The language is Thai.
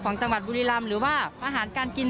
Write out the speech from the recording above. จังหวัดบุรีรำหรือว่าอาหารการกิน